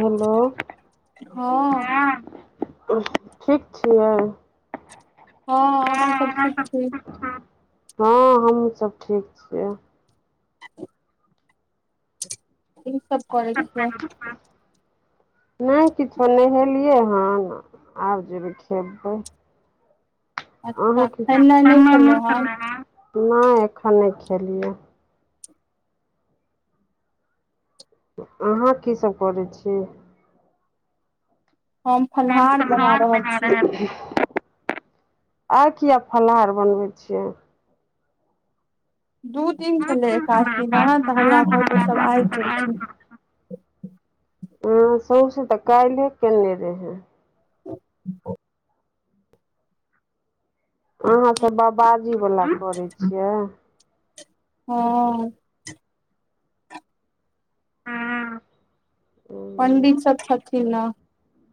Hello ह ठीक छियै? हँ हमाँ सब ठीक छी? हँ हमहुँ सब ठीक छि। [inaudible] इ सब करै छियै? नहि किछो नहेलियै हन आब जेबै खेबै। अह नहि [unintelligible] एखन नहि खेलियै। अहाँ कीसभ करै छीयै? [unintelligible] रहल छी। आर किए फलाहार बनबै छियै? दू दिन छलै एकादी न तऽ हमरा घर पर सब आय केलखिन। ह सौंसे तऽ काल्ले केने रहय। अहाँ सब बाबाजी वला करै छियै? हँ ओ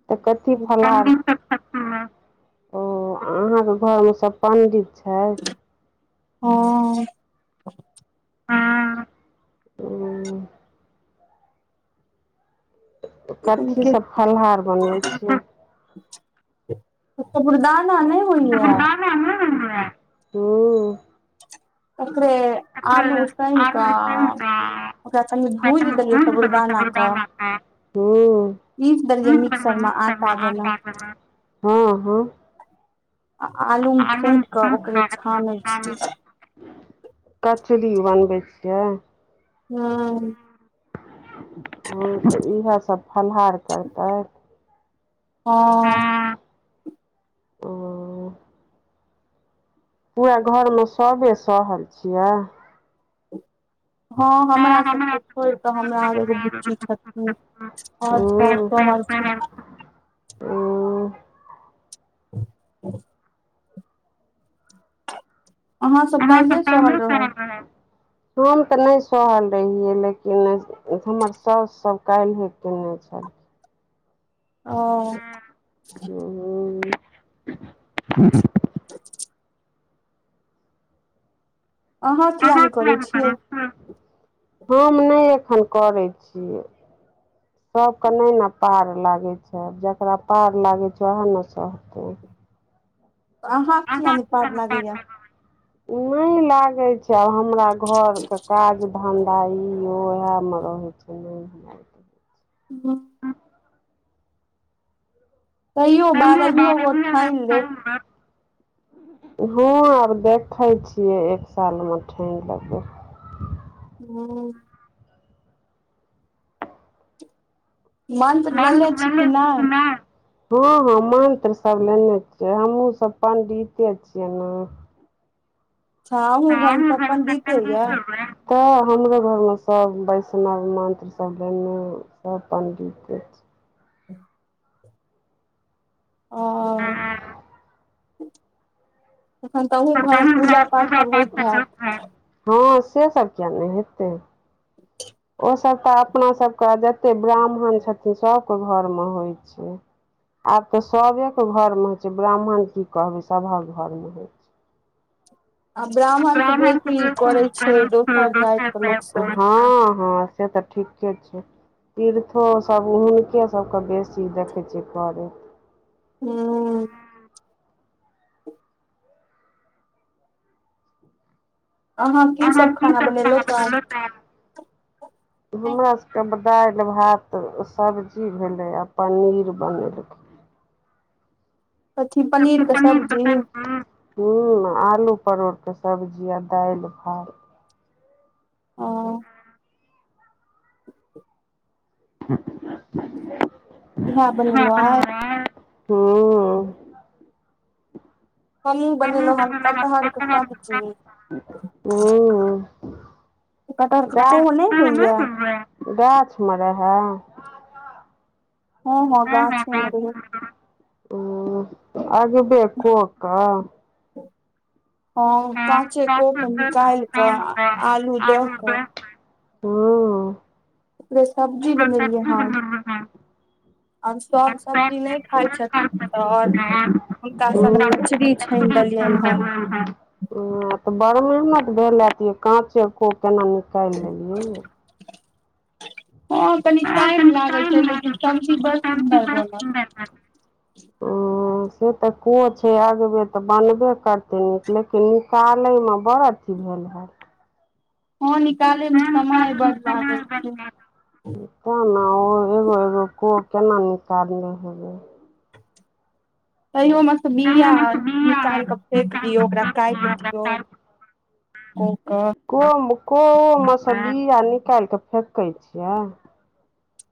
त कथी फलहार ओ अहाँके घरमे सब पण्डित छैय? हां ह ओ कथी सब फलहार बनबै छिय साबुरदाना नहि होइया। हूँ ओकरे आलू उसैन क ओकरा कनि भूजि देलियै साबुरदाना कऽ पिस दरियै मिक्सर म आटा जना हँ हँ आ आलूमे फेट कऽ ओकरे छानै छीयै। कचरी बनबै छियै? हूँ ह तऽ इहे सभ फलाहार करतै? हाँ पूरा घरमे सब सहल छियै? हँ हमरा सबके छोड़ के हमरा आर एगो बुच्ची छथि। [unintelligible] छैय। अच्छा अहाँ सब कहिले सहल रहव? हमाम तऽ नहि सहल रहियै लेकिन हमर साासु सब काल्हे केने छलखिन। ओ हूँ [inaudible] अहाँ किया नहि करै छियै? हम नहि एखन करै छियै। सब के ने ने पार लागे छैय जेकरा पार लागय छैय ओहे ने सह [inaudible] अहाँ किया नहि पार लागैया? नहि लागैत छैय आब हमरा घरके काज धन्धा ई ओएहमे रहै छियै। ह तैयो बारहो गो ठानि लेत हु आब देखै छियै एक सालमे ठानि लेबै हू मंत्र लेले छी कि नहि हँ हँ मंत्र सब लेने छियै हमहुँ सब पंडिते छियै ने अच्छा अहुँ घर मे सब पंडिते यऽ तऽ हमरो घरमे सब वैष्णव मन्त्र सब लेल सभ पण्डीते छै आ ह ह तखन त अहू घर में पूजा पाठ सभ होइत हयत हँ से सब किया न हेतै ओसभ त अपनासभके जते ब्राह्मण छथिन सभके घरमे होइ छै आब त सबे के घर में होइ छै ब्राह्मण की कहबे सभक घर में है आ ब्राह्मण त बेसी करै छै दोसर जाति के लोकसभ से तऽ ठीके छै तीर्थो सभ हुनके सभके बेसी देखै छियै करैत हँ अहाँ की सब खाना बनेलौ त आय हमरासके दालि भात सब्जी भेलै आ पनीर बनेलकै अथी पनीर के सब्जी हूँ आलू परोरके सब्जी आओर दालि भात ओ [unintelligible] ह इह बनेलौ आय आ हू हमूह बनेलो हन कटहल के सब्जी कटहल के कोह नहि होइए गाछमे रहै हँ हँ गाछे में रहए अगबे कोह के काँचे कोअ के निकालि क आलू द क ओकरे सब्जी बनलऐ हन आब सभ सब्जी नहि खाइ छथिन त हुनका सब ल कचरी छानि देलियन हन त बड़ मेहनत भेल हेत काँचे कोअ केना निकालि लेलियै हँ कनी टाइम लागै छै लेकिन सब्जी बड़ सुन्दर बनल ओ ह से त कोअ छै आगबे त बनबे करतै लेकिन निकालैमे बड़ अथी भेल हे‌एत हँ निकाले मे समय बड लागै छै ते ने ओ एगो एगो कोअ केना निकालने हेबै तइयो मस बीआ ह निकाल क फेक दियऔ ओकरा काटि दियौ ओ क कोअ कोअ मे सँ बीया निकालि क फेेकै छियै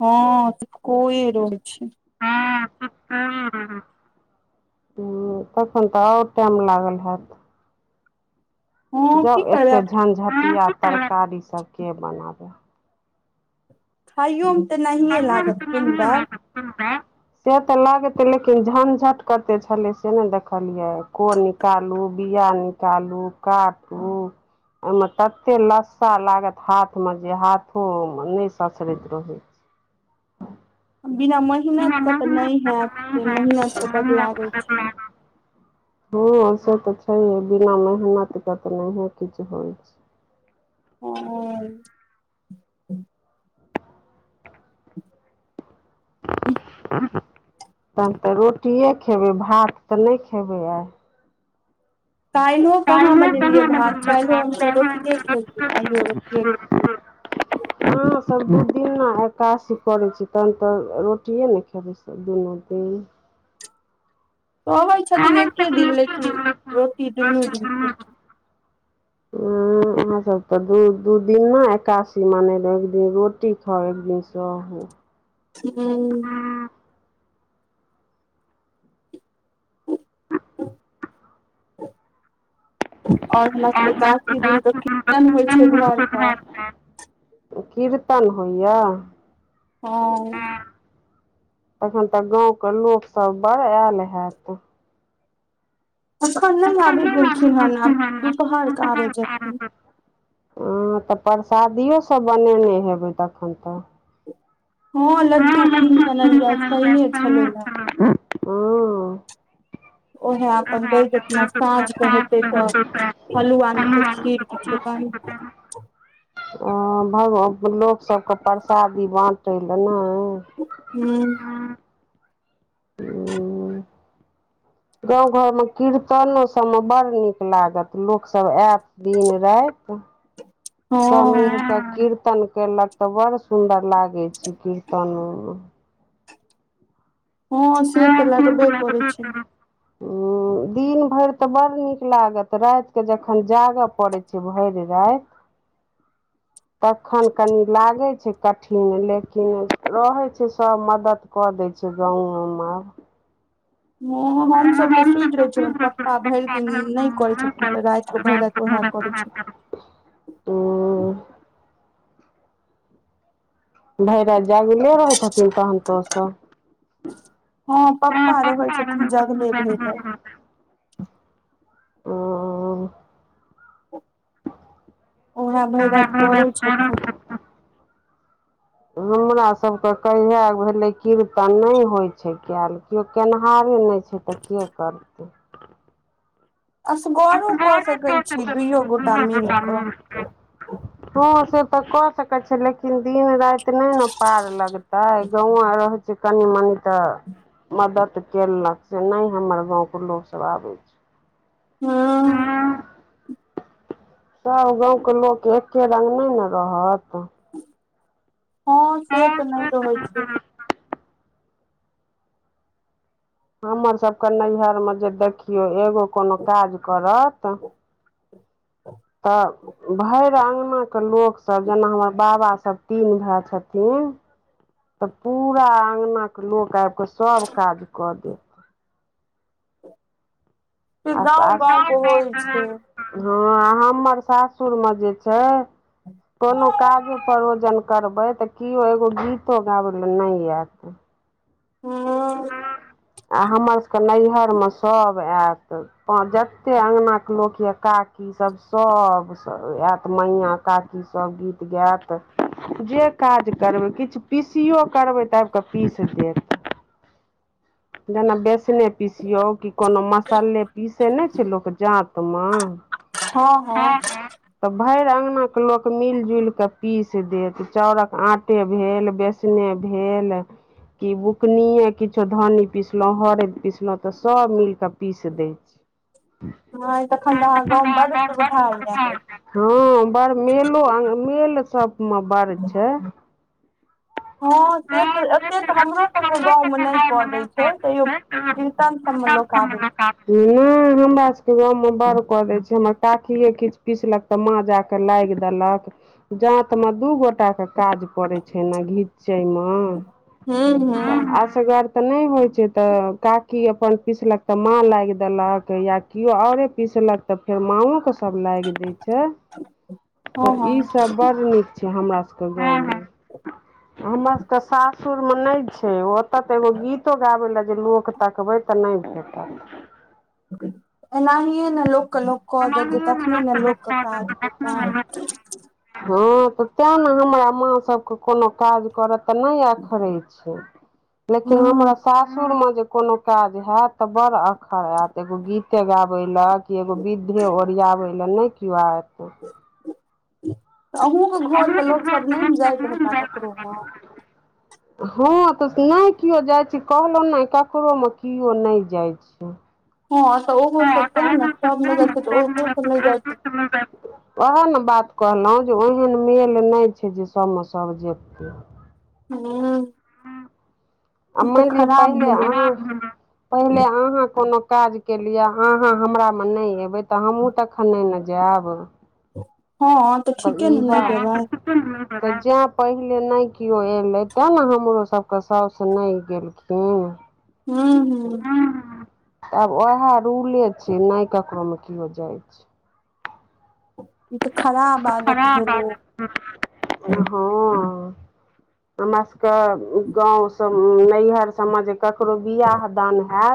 हँ त कोअ रहै छै ह तखन त आओर टाइम लागल हैत जाउ एते झंझटिया तरकारी सब के बनाबे खाइयो मे तनाहिये लागत सुन्दर सुनबै से तऽ लागते लेकिन झंझट कते छलै से ने देखलियै कोअ नी निकालू बिया निकालू काटू ओहिमे तते लस्सा लागत हाथमे जे हाथो नहि ससरैत रहै [inaudible] बिना मत बिना नमक के तऽ नहि लागत [unintelligible] ह से तऽ छैे बिना मेहनत के तऽ नहि किछु होइ छै [unintelligible] [unintelligible] तहन तऽ रोटिए खेबै भात तऽ नहि खेबै आइ काल्हियो कहाँ बनेलियै भात काल्हिहो हमसब रोटिये खेलियै आइयो रोटिये ख [unintelligible] ह सब दू दिन एकादसी करे छै तहन तऽ रोटिे ने खेबै दुनू दिन तऽ अबै छथिन एके दिन लेकिन रोटी दुनू दिन खेथिन ह अहाँ सब तऽ दू दू दिन ने एकादसी मनेल एक दिन रोटी खाउ एक दिन सहु हू [unintelligible] [unintelligible] कीर्तन होइए हँ तखन तऽ गाँंव के लोक सब बड़ आयल हैत एखन नहि आबे गेलखिन हन आब दुपहर के आबै जेथिन हँ तऽ परसादियो सब बनेने हेबै तखन तऽ हँ लड्डू कीन अनलिय आइ शाइने छलै ने ह उएह अपन दै जेथिन साँझके हेतै तऽ हलुआ नहि तऽ खीर किछु बनतै ओ भगवान लोकसभके परसादी बाँटय लए ने हू ह्म गाँव घरमे कीर्तनोसभमे बड़ नीक लागत लोकसभ आयत दिन राति तऽ समीर के कीर्तन कलक तऽ बड़ सुदर लागे छै कीर्तनो मे हँ से तऽ लागबे करय छै ह्म दिन भरि तऽ बड़ नीक लागत रातिकेऽ जखन जागऽ पड़ै छै भरि राति [inaudible] तखन कनि लागै छै कठिन लेकिन रहैत छै सभ मदद कऽ दै छै गाँवओमे आब ह हमसभ तऽ सुति रहै छियै पप्पा भरि दिन नहि करैत छथिन तऽ राति कऽ भरि राति उएह करैत छ ओ भरि रति जागले रहैत हथिन तहन तो ओ सभ हँ पपा रहै छथिन जगले भरि राति [unintelligible] ओ [unintelligible] हमरा सभके कहिया भेलै कीर्तन नहि होइ छै कैल केओ केनहारे नहि छै तऽ के करतै असगरे करै छै दिय पुता मे ह से तऽ कऽ सकैत छै लेकिन दिन राति एतने ने पार लगतै गाँंव आ रहै छै कनि मनी तऽ मदद कलक से नहि हमर गाँवके लोकस आबै छै हँ सब गाँवके लोक एके रंग नहि ने रहत हँ से तऽ नहि रहै छै हमर सबके नैहर मे जे देखियौ एगो कोनो काज करत [inaudible] तऽ भरि अङ्गनाके लोकसभ जेना हमर बाबासभ तीन भाइ छथिन तऽ पूरा अङगने लोक आबििकऽ सब काज कऽ देत आ सासुर हँ आ हमर सासुरमे जे छै कोनो काजो परोजन करबै तऽ केओ एगो गीतो गाबै लए नहि आयत हँ आ हमर सभके नैहरमे सभ आयत जतेक अङ्गनाके लोक यए काकीसभ सभ आयत मैयाँ काकी सब गीत गायत जे काज करबै किछु पिसियो करबै तऽ क फीस रुपए जेना बेसने पीसियौ कि कोनो मसाल्े पीस से नहि छै लोक जातमे हँ हँ तऽ भरि अङ्गना के लोक मिल जुलि कऽ पीस देत चाउरक आटे भेल बे स ने भेल कि बुकनीे किछो धन्नी पीसलहु हरदि पिसलहु तऽ सब मिल क पीस दै छी हँ तखन तऽ अहाँ गाँव बड सुविधा हो हँ बड़ मेलो मेल सबमे बड़ छै हँ से तऽ से तऽ हमरो सब के गाँंव में नहि क देय छै तैयो किीर्तन सब में लोक आबे छै नहि हमरा सबके गामवमे बड़ कऽ दै छै हमर काखियए किीछु पिसलक त माँ ज के लागि देलक जात मे दू गोटा टा के काज पड़ै छै ने घीचै मे सगर तऽ नहि होइत छै तऽ काकी अपन पिसलक तऽ माँ लागि देलक या केओ औरे पीसलक तऽ फेर मां के सब लागि गेल तऽ ई सब बड़ नीक छै हमरा सबके गाँव हमर सबके सासुरमे नहि छै ओ तऽ एगो गीतो गाबै लए जे लोक तकबै तऽ नहि भेटत एनाहिए ने लोकके लोक कऽ देतै तखने ने लोकके काज हेतनि हँ तऽ तैँ ने हमरा माँसभके कोनो काज टा नै अख्रै छै लेकिन हमरा ससुर मे कोनो काज होयत तऽ बड़ अखर आयत एगो गीते गाबै लए कि एगो वि े ओरियाबै लए नहि केओ एेतै अहँके घरके लोकसभ नहि ने जाइत हेता ककरोमे हँ तऽ नहि केओ जाइत छै कहलहुँ ने ककरोमे केओ नहि जाइत छी [inaudible] हँ ओहो सकतै ह ने सब नहि जाइ छै तऽ ओ सब नहि जाइ छै हहँ आ ओह ने बात कहलहुँ जे ओहन मेल नहि छै जे सभमे सभ जतै हँ आ मनी किया पहिले अह पहिने अहाँ कोनो काजके लेल अहाँ हमरा ओतऽ नहि एयबै तऽ हमहूँ तखन ने जायब। हँ तऽ ठीके ने नहि जेबै। जैं पहिले नहि केओ एलै तें ने हमरो सभकेँ साउस नहि गेलखिन। हू हू हू आब ओएह रूल छै, नहि ककरोमे केओ जाइ छै। ई तऽ खराब आदत भेलै। हँ हमरा सभके गाँव सभ नैहर समा जे ककरो बियाह दान होयत।